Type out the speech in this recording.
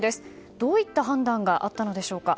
どういった判断があったのでしょうか。